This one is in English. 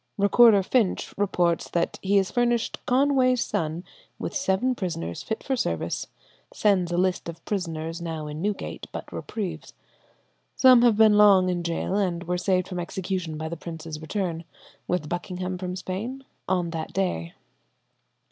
Recorder Finch reports that he has furnished "Conway's son with seven prisoners fit for service; sends a list of prisoners now in Newgate, but reprieved. Some have been long in gaol, and were saved from execution by the prince's return [with Buckingham from Spain?] on that day.